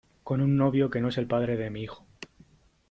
con un novio que no es el padre de mi hijo